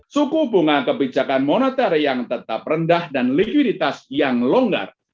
suku bunga kebijakan moneter yang tetap rendah dan likuiditas yang longgar